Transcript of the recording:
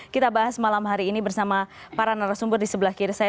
kita bahas malam hari ini bersama para narasumber di sebelah kiri saya